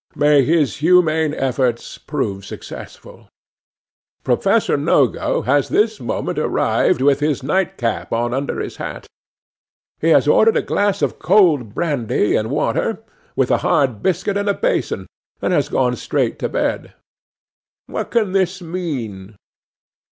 May his humane efforts prove successful! 'Professor Nogo has this moment arrived with his nightcap on under his hat. He has ordered a glass of cold brandy and water, with a hard biscuit and a basin, and has gone straight to bed. What can this mean?